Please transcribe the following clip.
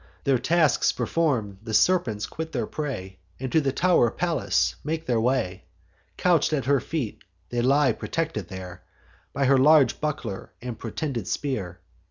Their tasks perform'd, the serpents quit their prey, And to the tow'r of Pallas make their way: Couch'd at her feet, they lie protected there By her large buckler and protended spear.